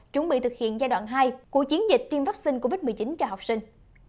chuẩn bị thực hiện giai đoạn hai của chiến dịch tiêm vaccine covid một mươi chín cho học sinh